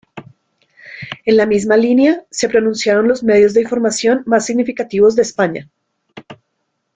En la misma línea se pronunciaron los medios de información más significativos de España.